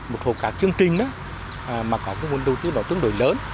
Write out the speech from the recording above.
một số các chương trình đó mà có cái nguồn đầu tư nó tương đối lớn